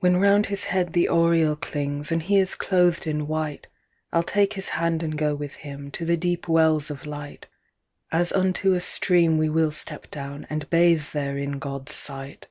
"When round his head the aureole clings, And he is cloth'd in white,I 'll take his hand and go with himTo the deep wells of light; As unto a stream we will step down, And bathe there in God's sight.